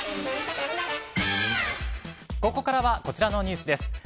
ここからはこちらのニュースです。